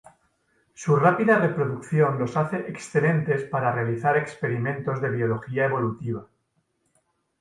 Su rápida reproducción los hace excelentes para realizar experimentos de biología evolutiva.